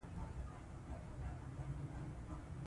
هغه د ژوند او امید ستاینه کوي.